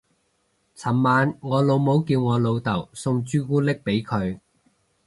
尋晚我老母叫我老竇送朱古力俾佢